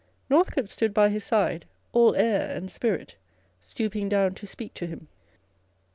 Northcote stood by his side â€" all air and spirit, stooping down to speak to him.